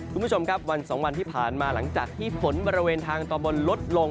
คุณผู้ชมครับวันสองวันที่ผ่านมาหลังจากที่ฝนบริเวณทางตอนบนลดลง